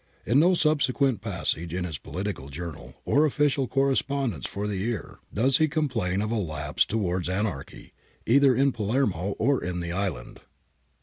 In no subsequent passage in his Political Journal or official correspondence for the year does he complain of a lapse towards anarchy, either in Palermo or in the island.